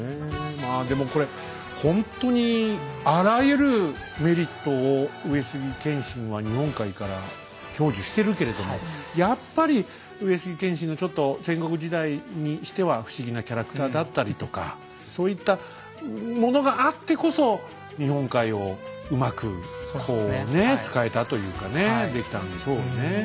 まあでもこれほんとにあらゆるメリットを上杉謙信は日本海から享受してるけれどもやっぱり上杉謙信のちょっと戦国時代にしては不思議なキャラクターだったりとかそういったものがあってこそ日本海をうまくこうね使えたというかねできたんでしょうね。